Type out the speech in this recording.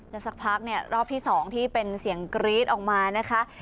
แล้วสักพักเนี่ยรอบที่๒ที่เป็นเสียงกรี๊ดออกมานะคะ